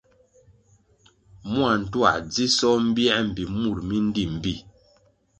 Mua ntuā dzisoh mbiē mbpi mur mi ndí mbpí.